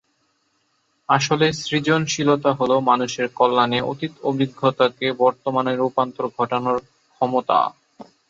আসলে সৃজনশীলতা হলো মানুষের কল্যাণে অতীত অভিজ্ঞতাকে বর্তমানে রূপান্তর ঘটানোর ক্ষমতা।